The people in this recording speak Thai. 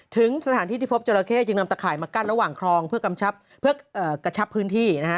ถึงสถานที่ที่พบจราเข้จึงนำตะข่ายมากั้นระหว่างคลองเพื่อกำชับเพื่อกระชับพื้นที่นะฮะ